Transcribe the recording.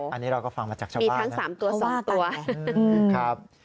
อันนี้เราก็ฟังมาจากชาวบ้านนะค่ะว่าต่างมีทั้ง๓ตัว๒ตัว